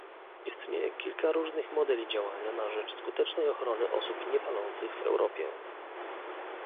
Istnieje kilka różnych modeli działania na rzecz skutecznej ochrony osób niepalących w Europie